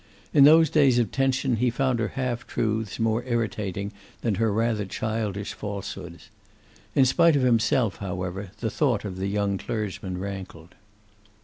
In those days of tension he found her half truths more irritating than her rather childish falsehoods. In spite of himself, however, the thought of the young clergyman rankled.